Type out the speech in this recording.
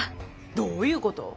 どういうこと？